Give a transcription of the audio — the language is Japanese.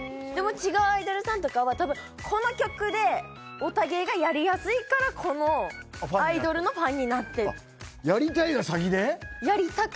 違うアイドルさんとかは多分この曲でオタ芸がやりやすいからこのアイドルのファンになってやりたいが先で？